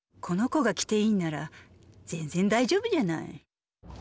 この子が着ていいなら全然大丈夫じゃない。